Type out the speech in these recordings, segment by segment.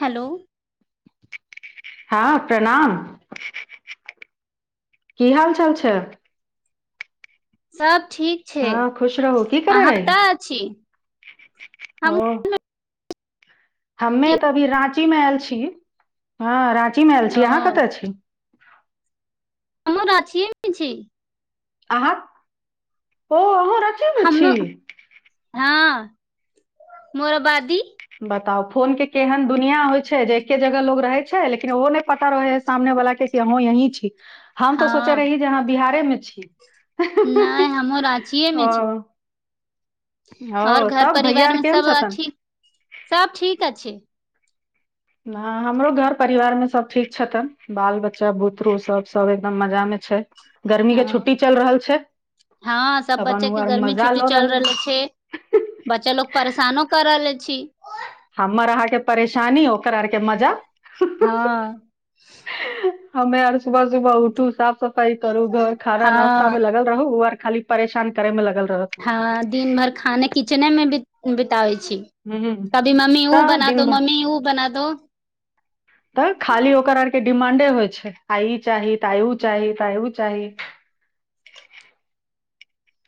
Hello हँ प्रणाम की हाल चाल छै सात हँ खुश रहू की करे रहै कतऽ अछि हम ओ हमे छी। तऽअभी राज आल छी ह कची मे आयल ओ छी अहाँ कतऽ छी हमहूँ राँचीये मे छी अहाँ ओ अहाँ राँचीये मे छी हमहूँ हँ मोराबादी बताउ फोन के केहन दुनिया होइ छै जे एके जगह लोग रहै छै लेकिन ओहो नहि पता रहै हइ सामने वलााके कि हँ यहीं छी हम तो सोचे रही जेाँ बिहारेमे छी नहि नहि हमहूँ राँचीये मे ओ छी ओ आओर घर तब भैया परिवार आर मे केहन सब छथिन सब ठीक अ छै हँ हमरो घर परिवारमे सभ ठीक छथिन बाल बच्चा बुतरू सभ सभ एकदम मजामे छै गर्मी के हँ छुट्टी चलि रहल छै हँ तऽ सब अपन बच्चा ओ के आर गर्मी मजा छुट्टी लऽ चल हन रहले छै बच्चा लोग परेशानो कर रहले छी हमर अहाँके परेशानी ओकर आरके मजा हँ हमे यर सुबह सुबह उठू साफ साफ सफाइ करू घर खाना नाास्ता हँ मे लगल रहुर खाली परेशान करे मे लगल रहत हँ दिन भरि खाने किचने मे बि बिताबै हूं कभी मम्मी उ तऽ बना दिन दो भर मम्मी उ बना द हेलो तऽ खाली ओकर आरके डिमा्ड े होइ छै आइ चाही तइो चाही तइो चाही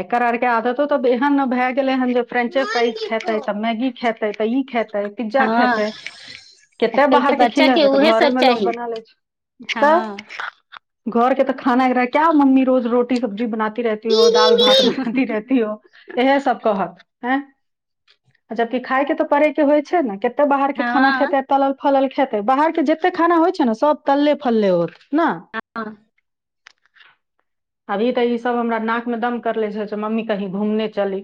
एकर आारके आदतो तऽ ऐहन भय गेले हन फ्रेच फ्राज खेताै तऽ मैगी खेताै तऽ खेत पिज्जा हँ खेते कते आजकल बाहर के बच्चा खिलेबै तऽ उहे घरे सब मे चाही लोग बना ले छै हँ तऽ घर के तऽ खाना ह रहै्य मम्मी रोज रोटी सब्जी बनात रहती ओ भात बनातीी रहती हो इह सब कहक खायके तऽ पड़े के होइ छै ने क तऽ बाहर के खाना हँ खेै तल फल खेतै बाहर के जते खाना होइ छै ने सब तले फले होत ना हँ अभी तऽ ई सब हमरा नाक दम करले छै मम्मी कहीं घूमने चली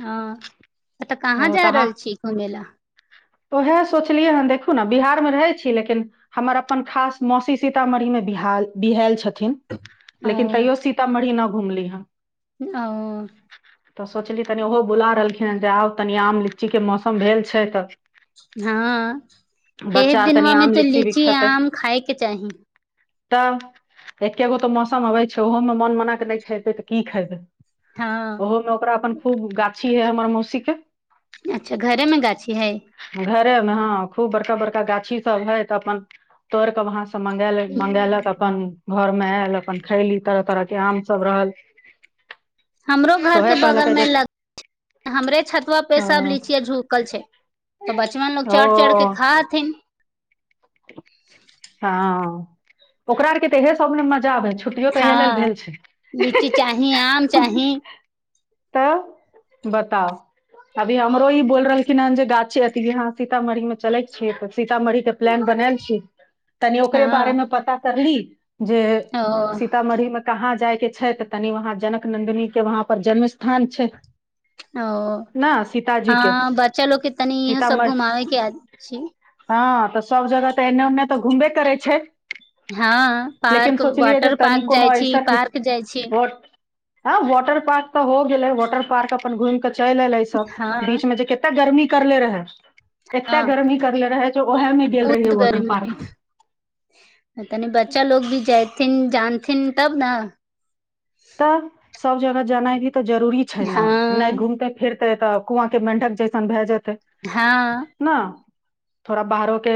हँ तऽ कहाँ ओ जा रहल छी घूमय लए ओएहे सोचलियै हन देखु ने बिहार मे रहे छी लेकिन हमर अपन खास मौसी सीतामढ़ी मे बिह बिहल छथि ओ लेकिन तैयो सीतामढ़ी न घुमली हम आ तऽ सोचली तनि ओहो बुला रहलखिन हेँ जे आउ तनि आम लीचीके मौसम भेल छै तऽ हँ बच्चा एक आर तनि दिनमे आम तऽ भी लीची खेतै आम खाायके चाही तब एकेगो तो मौसम आबे छै ओहो में मन मना के नहि खेबै तऽ की खयबै हँ ओहोमे ओकरा अपन खूब गाछी है हमर मौसी के अच्छा घरे मे गाछी हइ घरे में ह खूब बड़का बड़का गाछी सब है तऽ अपन तोड़ के वहां से सब मंगालक मंगेलक अपन घरमे आयल अपन खयली तरह तरहके आम सभ रहल हमरो तऽ घर के ओहे बगल कहलकै मे जे लग हमरे छतुआ पे अ, सब लीचिया झुकल छै तऽ बचपन लोग ओ चढ़ चढ़ के खा हथिन हँ ओकरा आरके तऽ इहे सब मे मजा आबै छै छुट्टियो तऽ इहे लेल हँ भेल लीची चाही आम चाही तऽ बताउ अभी हमरो ई बोल रहलखिन हेन जे गाछी अथी य सीतामढ़ी मे चलैके छी तऽ सीतामढ़ी के प्लान बनायल छी तनी ओकरे हँ बारेमे पता करली [inaudible] जे ओ सीतामढ़ी मे कहाँ जायके छै तऽ तनि वहाँ जनक नन्दिन के वहाँ पर जन्म स्थान छै ओ ने सीताजी ह के बच्चा लोगके तनि इहो सब सीतामढ़ी घुमाबे के छै त सब जगह तऽ एने ओन्ने तऽ घुमबे करै छै हँ लेकिन पार्क सोचलियै जे वाटर तनि पार्क कोनो जाइ छी ऐसनी पार्क जाइ छी ह वाटर पार्क तऽ हो वाटर पार्क अपन घूमि चल एलै सब हँ बीच मे जे कतना गर्मी कर ले रहै एते हँ गर्मी करले रहै ज ओहे मे गेल रहिए बहुत वाटर गर्मी पार्क तनी बच्चा लोग भी जाइते जानथिन तब ने तऽ सब जगह जाना ही तऽ जरूरी छै ने नहि हँ घुमते फिरत तऽ कुआं के मेंकढ़ जैसन भए जेतै हँ न थोड़ा बाहरो के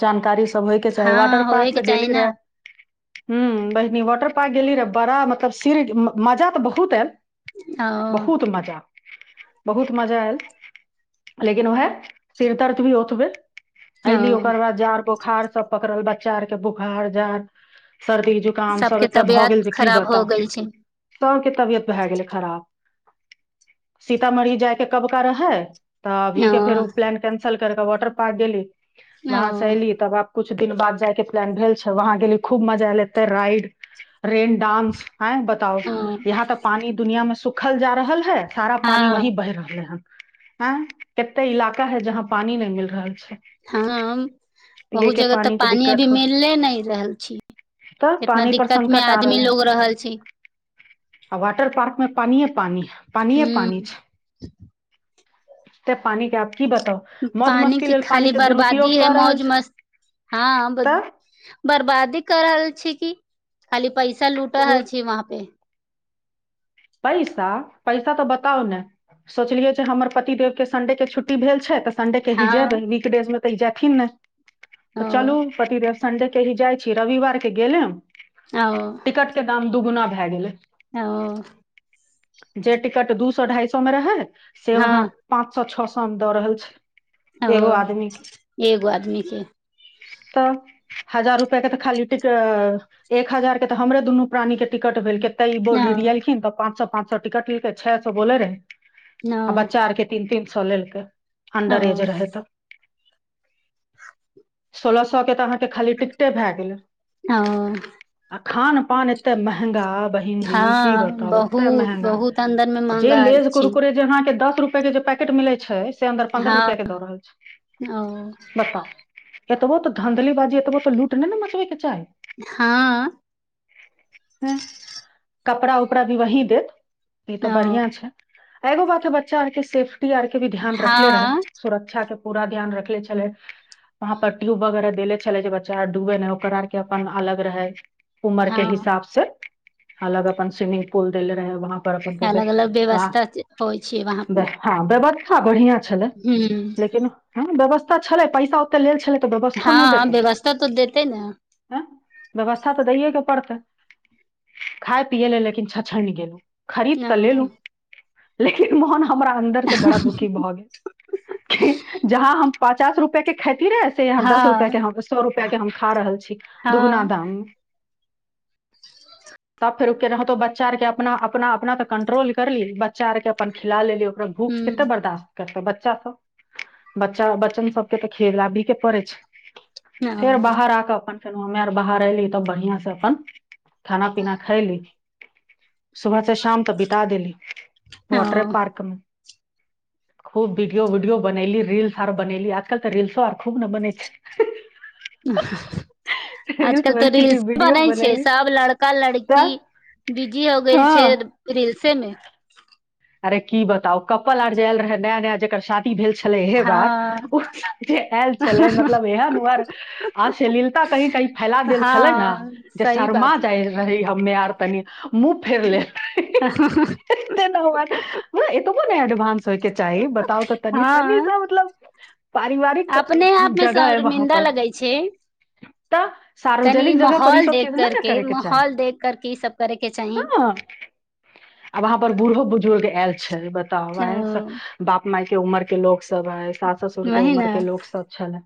जानकारी से सब होयके चाही वाटर हँ पार्क होय के तऽ गेली चाही ने रहै हूँ बहिनी वाटर पार्क गेली रहा बड़ा मतलब सिर मजा तऽ बहुत आएल ओ बहुत मजा बहुत मजा आयल लेकिन ओएह सिरदर्द भी ओतबे ओ अऐली ओकर बाद जाड़ बोखार सब पकड़ल बच्चा आर के बोखार जाड़ सर्दी जुकाम सब सबके एतय भऽ तबियत गेल जे की खराब हो बताउ गेल छै सबके तबियत भै गेल खराब सीतामढ़ी जायके कब क रहै तऽअभी ओ के फेरो प्लान कैंसल कर क वॉटर पार्क गेली ओ वहाँ से एयली तब कुछ दिन बाद जाय के प्लान भेल छै वहाँ गेली खूब मजा एले एते राइड रेन डांस आं बताउ ओ यहाँ तऽ पानी दुनिया मे सुख देखिखल जा रहल है सारा पानि वहीं हँ बहि रहलै हन ह कतेक इलाका है जहाँ पानी नहि मिल रहल छै हँ पिये बहुत के जगह तऽ के पानी अभी दिक्कत हो मिले नहि रहल छै तऽ कितना पानी पर दिक्कत मे संकट आ रहले आदमी हन लोग रहल छी आ वाटर पार्क पानि पानि पानि ह हूँ पानि छै तऽ पानि क्य पानी के खाली बर्बादी दुरुपयोग हइ कऽ रहल मौज छै मस्त हँ तऽ बर्बादी कर रहल छै की खाली पैसा लूट ओ छै वहाँ पे पैसा पैसा तऽ बताउ ने सोचलियै जे हमर पतिदेवके संडे के छुट्टी भेल छै तऽ संडे कहीजै हँ वीकडेज मे तै जथििन ने ओ तऽ चलू पतिदेव संडे के ही जाइ छी रविवार के गेलेम ओ टिकट के दाम दूगुना भा गेले ओ जे टिकट दू सए ढ़ाई सए मे रहै से वहाँ हँ पाँच सए छओ सए काम दऽ रहल छै ओ एगो आदमी के एगो आदमीेके तऽ हजार रुपआ के तऽ खाली ट एक हजार के तऽ हमरे दुनू प्राणी के टिकट भेल के तऽ ई न बोल [inaudible] पाँच सए पाँच सए टिकट लिके छ सए बोे रहे न आ बच्चा आरके तीन तीन सललके ओ अंडर एज रहै तऽ सोलह सए के तऽ अहाँके खाली टिकटे भए गेल ओ आ खान पान एते महगा बहिन जी की हँ बताउ ओते बहुत महंगा बहुत अन्दर मे जे महंगा लेज छी कुरकुरे जे अहाँके दस रुपआ के जे पैकेट मिलै छै से अन्दर पन्द्रह हँ रुपआ के दऽ रहल ओ छै बताउ एतबो तो धाँधलीबाजी एतबो तो लूट नहि ने मचबे के चाही हँ हैं कपड़ा कपड़ा भी वही देत ई त ओ बढिंआ छै एगो बाक बच्चा आके सर्फ आर के भी ध्यान रखले रहै हँ सुरक्षा के पूरा ध्यान रखले छलै वहाँ परट्यूब वगैरह देले छले जे बच्चा डूबै नहि ओकर आर के अपन अलग रहै उमर के हँ हिसाबसँ अलग अपन स्विमिंग बोल देल रहे वहाँ पर अपन करते अलग अलग वहाँ व्यवस्था होइ छै वहाँपे व्यवस्था हँ बढ़िआँ छल लेकिन ववस्ा त छलै पैसा ओते लेल छलै तऽ व्यवस्थो नहि हँ देतै व्यवस्था तऽ देते ने एँ व्यवस्था तऽ दैए के पड़तै खाय पियए ला लेकिन छनिि गेलहु ओ खरीद तऽ लेलू लेकिन मोहन हमरा अन्दर से बड़ा दुखी भऽ गेल कि जहाँ हम पचास रुपए के खेच य दस रूप के हँ सए रुपआ के हम खा रहल छी दुूगुना हँ दाम त फेर उक रहह तो बच्च बच्चा के अपना अपना अपना के कंट्रोल करली बच्चा आरके अपन खिला लेलियै ओकरा भूख कते हूं बर्दाश्त करतै बा बच्चा सब बच्चा बच्चन सबके तऽ खेल आबी के पड़ै छै ओ फेर बाहर आ कऽ अपन अपन फेन हमे आर बाहर एयली तब बढ़िआं से अपन खाना पीना खयली सुबह से शाम तऽ बित देली ओ वॉटर पार्क मे खूब भीडियो वडियो बनैली रल्स आर बनैली आजकल तऽ रल्सो आर खूब ने बनै छै रील्स आजकल तऽ बनेली रील्स वीडियो बनै छै बनैली सब लड़का लड़की तऽ बीजी हो गेल हँ छै रीलसे मे अरे की बताउ कपल आर जायल रहै नया नया जकर शां भेल छलै इहे बात हँ ओ जे आयल छलै मतलब एहन ओर अशलीलता कही कही फैला देल छलै ने हँ जे सही शरमा बात जाय रही हमे आर तनी मुह फेरलेत हँ एना बात नै एतबो नै एडवानंस होय के चाही बताउ तऽ तनि तनी त मतलब [inaudible] पारिवारिक अपने आप मे जगह हय वहाँ शर्मिंदा पर लगै छै तऽ तनी सार्वजनिक जगह पर ई माहौल सब देख चीज नै ने करके करेके चाही माहौल देख करके ई सब करे के चाही हां अ वहाँ पर बूढ़ो बुज पुरे ऐल छै बत त ओ वहे से बाप माय के उम्र के लोक। सब हय सास ससुर के वही ने उमर के लोक सब छलै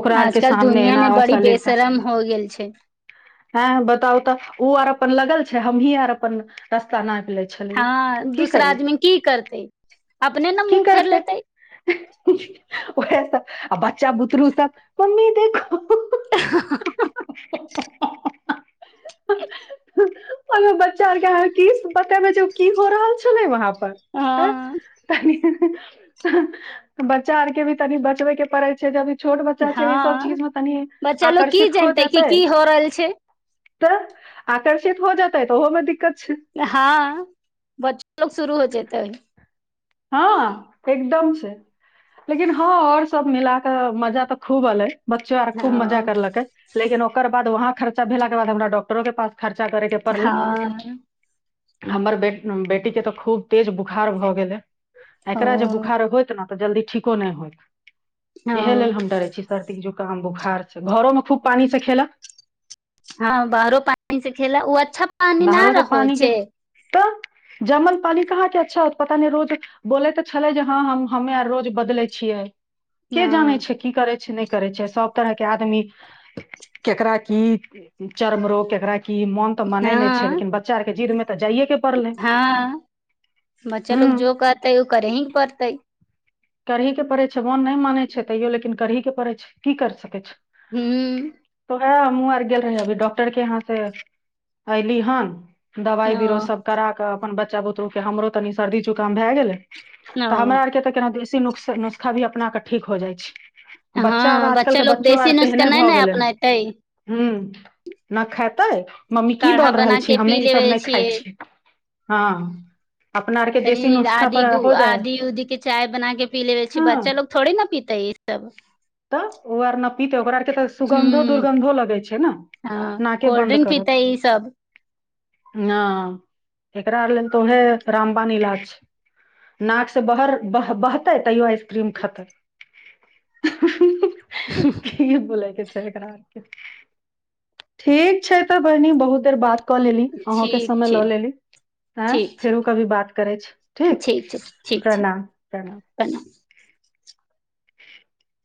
ओकरा आर के आजकल सामने दुनिया एना मे बड़ी असलिलता बेशरम हो गेल छै हें बताउ तऽ उ आर अपन लगल छै हमहीं आर अपन रस्ता नैप लै छलियै। हँ की दूसरा करिए, आदमी की करतै अपने ने की मुँह फेर करतै लेतै उहे सब अ बच्चा बुतरु सब मम्मी देखो - [unintelligible] मगर बच्चा आर के अहां की स बतेबै जे उ की हो रहल‌ छलै वहाँ पर अ हँ तनी बच्चा आर के भी तनी बचबे के पड़े छै जब इ हँ बच्चा लोको की आकर्षित हो जनतै क जेतै की हो रहल छै। तऽ आकर्षित हो जाताैऽ ओहो मे दिक्क हँ बच लोग शुरू हो जेतै। हँ एकदम लेकिन हँ आओर सब मिल क मजा तऽ खूब एले। बच्चो आर हँ खूब मजा करलक हे।। लेकिन ओकर बाद वहां खर्चा भेलाके बाद हमरा डक्टरो के पास खर्चा करैके पड़लै हँ हमर बे बेटीके तऽ खूब तेज बुखार भऽ गेलै। ओ एकरा जे बोखार होयत ने तऽ जल्दी ठीको नहि होइ। इएह लेल हँ हम डरे छी सर्दी जो काम बोखार छै घरोमे खूब पानी से खेल- हँ बाहरो पानि से खेला ओ अच्छा पानि न बाहरो से न होय पानी के छै। तऽ जमल पानी कहाँके अच्छा हो पता नहि रोज बोलै तऽ छलै जे हँ हम हमे आर रोज बदलै छियै। के जानै हँ छै की करै छै नहि करै छै सब तरह के आदमी केकरा की चरम रोग केकरा की मोन तऽ मानय नहि छै हँ लेकिन बच्चा आर के जिद मे तऽ जाइए के पड़लै हँ बच्चा हूँ लोग जो कर। तै ओ करहीं पड़तै। करही के पड़े छै मन नहि मानै छै तैयो लेकिन करही के पड़े छै की करि सकैत छै। हूँ ह हमूँ आर गेल रही अभी डॉक्टर के यहाँ से ऐली हन। दबाइ ओ बीरो सब करा क अपन बच बच्चा बूतरू के हमरो तनी सर्दी जुकाम भा गेलै ओ हमरा आर कें त केनो नुस्ख नुस्खा भी अपना के ठीक हो जाइ छी हँ बच्चा लोको देशी नुस्खा तेहने नए भऽ ने गेलै अपनेतय। हूँ न खेतैय मम्मी की द रहल बना के छीहिन् हमे पी ई सब लेबे नहि खााय छियै। हँ अपना आरके तनी देशी नुस्खा आदि पर हो जाइ है आदि उदीेके चाय बना के पी लेवे छी बच्चा हँ लोग थोड़े न पीते ई सब। तऽ ओ आर न पीतै ओकरा आरके तऽ सुगन्धो हूं दुर्गन्धो लगै छै ने हँ नाके कोल्ड बन्द ड्रिंक करत पीते ई सब हँ एकरा लेल तऽ उह रामबान इलाज छै नाकसँ बहर बह बहतै तैयो आइसक्रीम खेतै की बो लैके छैे ऐकरा आर ठीक छै तऽ बहिनी बहुत देर बात कह देलियौ अहाँके ठीक छै बुझाय लेल कह देलियौ ठीक छै फेर कखनो बात करैत छी ठीक छै प्रणाम प्रणाम [unintelligible]